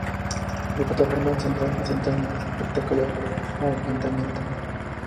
Su plataforma central presenta un espectacular agrietamiento.